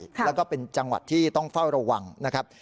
แล้วก็เป็นจังหวัดที่ต้องเฝ้าระวังนะครับ